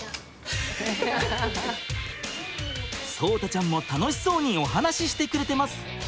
聡太ちゃんも楽しそうにお話ししてくれてます！